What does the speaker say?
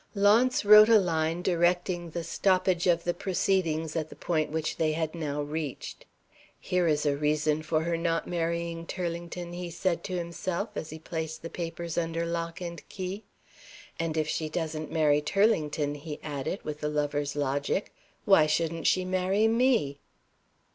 Launce wrote a line directing the stoppage of the proceedings at the point which they had now reached. "Here is a reason for her not marrying Turlington," he said to himself, as he placed the papers under lock and key. "And if she doesn't marry Turlington," he added, with a lover's logic, "why shouldn't she marry Me?"